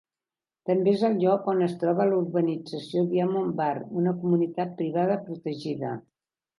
També és el lloc on es troba la urbanització Diamond Bar, una comunitat privada protegida.